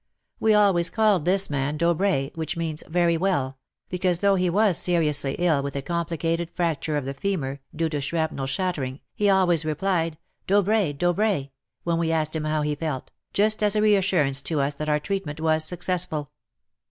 We always called this man Dobrai — which means Very well "— because though he was seriously ill with a complicated fracture of the femur, due to shrapnel shattering, he always replied *' Dobrai, dobrai " when we asked him how he felt, just as a reassurance to us that our treatment was successful.